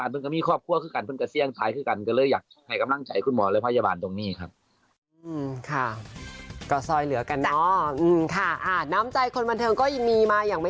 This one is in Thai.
แต่งเนื้อร้องและทำนองเพลงนี้